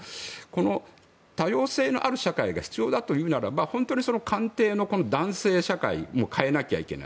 多様性のある社会が必要だというならば本当にその官邸の男性社会も変えなきゃいけない。